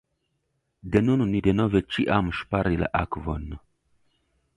De nun, ni devos ĉiam ŝpari la akvon.